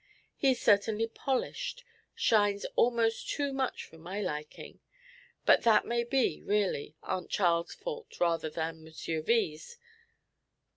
He is certainly polished, shines almost too much for my liking; but that may be, really, Aunt Charl's fault rather than Mr. V.'s.